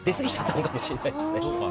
出すぎちゃったのかもしれないですね。